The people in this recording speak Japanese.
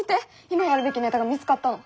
今やるべきネタが見つかったの。